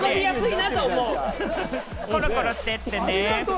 コロコロしてってね。